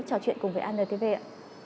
trò chuyện cùng với anntv ạ